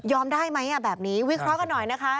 ได้ไหมแบบนี้วิเคราะห์กันหน่อยนะคะ